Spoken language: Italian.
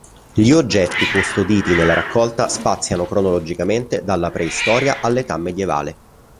Gli oggetti custoditi nella raccolta spaziano cronologicamente dalla preistoria all'età medievale.